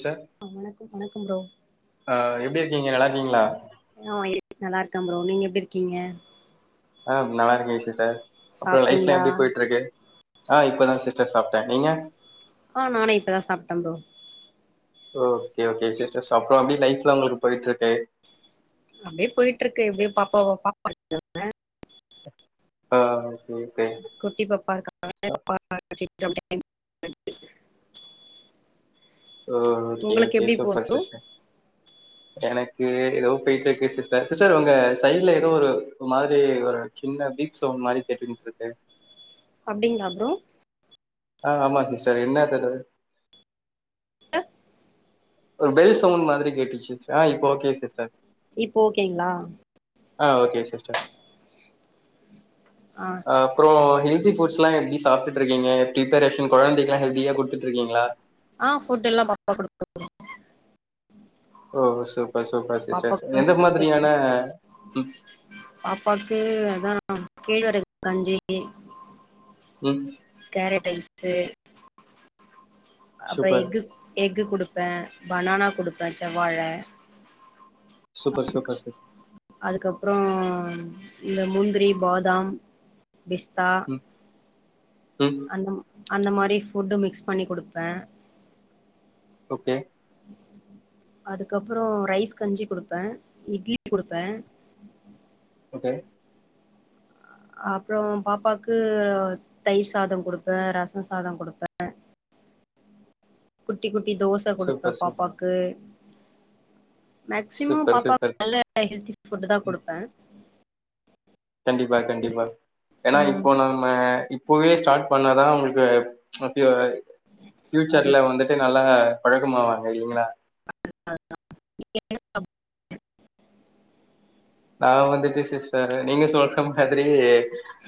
ச அ வணக்கம் வணக்கம் ப்ரோ ஆ எப்டி இருக்கீங்க நல்லாருக்கீங்ளா ஆ இருக் நல்லாருக்கே ப்ரோ நீங்க எப்டி இருக்கீங்க ஆ நல்லாருக்கே சிஸ்டர் அப்ரோ லைஃப்ல்லா சாப்ட்டீங்களா எப்டி போய்ட்ருக்கு ஆ இப்பதா சிஸ்டர் சாப்டே நீங்க ஆ நானு இப்பதா சாப்டே ப்ரோ ஓகே ஓகே சிஸ்டர்ஸ் அப்ரோ எப்டி லைஃப்லா உங்களுக்கு போய்ட்ருக்கு அப்டியே போய்ட்ருக்கு எப்டியோ பாப்பாவ பாப்பா [unintelligible] ஆ சே சே குட்டி பாப்பா இருக்காங்க [inaudible] ஓகே ஓகே சூப்பர் போகுது சிஸ்டர் எனக்கு எதோ பொய்ட்ருக்கு சிஸ்டர் சிஸ்டர் உங்க சைட்ல எதோ ஒரு மாரி ஒரு சின்ன பீப் சவுண்ட் மாரி கேட்டுண்டு இருக்கு அப்டிங்ளா ப்ரோ அ ஆமா சிஸ்டர் என்னாதது ஒரு பெல் சவுண்ட் மாதிரி கேட்டுச்சு சிஸ்டர் ஆ இப்ப ஓகே சிஸ்டர் இப்போ ஓகேங்ளா அ ஓகே சிஸ்டர் ஆ அப்றோ ஹெல்த்தி ஃபுட்ஸ்லா எப்டி சாப்ட்டு இருக்கீங்க பிரிப்பரேஷன் கொழந்தைக்ளா ஹெல்தியா குடுத்துட்டு இருக்கீங்ளா ஆ ஃபுட்டு எல்லா பாத்து குடுக்குறோ ஓ சூப்பர் சூப்பர் சிஸ்டர்ஸ் பாப்பாக்கு எந்த மாதிரியான ம் பாப்பாக்கு அதா கேழ்வரகு கஞ்சி ம் கேரட்ரைஸ்சு அப்ரோ சூப்பர் எஃகு எஃகு குடுப்பே பனானா குடுப்பே செவ்வாழ சூப்பர் அதுக் சூப்பர் சூப்பர் அதுக்கப்ரோ ம் இந்த முந்திரி பாதாம் பிஸ்தா ம் அந்தம் அந்த மாரி ஃபுட் மிக்ஸ் பண்ணி குடுப்பே ஓகே அதுக்கப்புறோ ரைஸ் கஞ்சி குடுப்பே இட்லி குடுப்பே ஓகே அப்புறோ பாப்பாக்கு தயிர் சாதோ குடுப்பே ரச சாதோ குடுப்பே குட்டி குட்டி தோச குடுப்பே சூப்பர் சூ பாப்பாக்கு மேக்சிமம் சூப்பர் பாப்பாக்கு சூப்பர் நல்ல ஹெல்தி ஃபுட்டுதா ம் குடுப்பே கண்டிப்பா கண்டிப்பா ஏனா ம் இப்போ நம் ம இப்பவே ஸ்டார்ட் பண்ணாதா அவங்ளுக்கு ஃப அது பியூச்சர்ல வந்து நல்லா பழக்கமாவாங்க இல்லிங்களா [unintelligible] நாங்க வந்துட்டு சிஸ்டர் நீங்க சொல்ற மாதிரி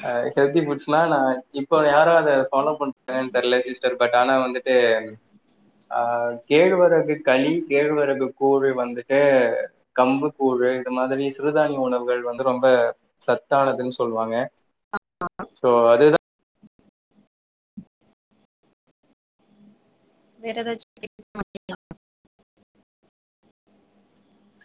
அ ஹெல்தி ஃபுட்ஸ்னா நா இப்ப யாரு அத ஃபாலோ பண்ற [inaudible] தெர்ல சிஸ்டர் பட் ஆனா வந்துட் டே ஆ கேழ்வரகு களி கேழ்வரகு கூழ் வந்துட்டு கம்பு கூழு இந்த மாதிரி சிறுதானிய உணவுகள் வந்து ரொம்ப சத்தானதுன் சொல்வாங்க சோ அதுதா வேற ஏதாச்சு பிடிக்குமா